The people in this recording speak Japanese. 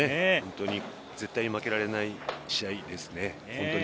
絶対に負けられない試合ですね。